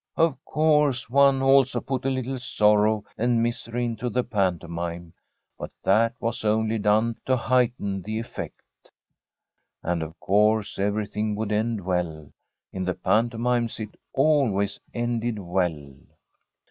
Of course, one also put a little sorrow and misery into the pantomime, but that was only done to heighten the effect. And, of course, everything would end well. In the pantomimes it always ended well.